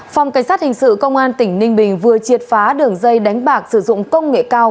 phòng cảnh sát hình sự công an tỉnh ninh bình vừa triệt phá đường dây đánh bạc sử dụng công nghệ cao